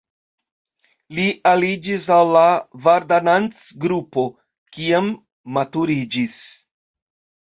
Li aliĝis al la Vardanantz-grupo kiam maturiĝis.